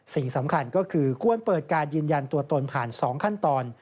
สิ่งสำคัญก็คือควรเปิดการยืนยันตัวตนผ่าน๒ขั้นตอน